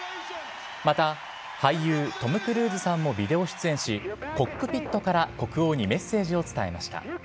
また俳優、トム・クルーズさんもビデオ出演し、コックピットから国王にメッセージを伝えました。